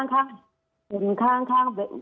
ทำไมในข่าวเหมือนกับพุ่งไปที่เขาสักคนเดียวเลยคะ